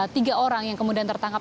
tiga orang yang kemudian tertangkap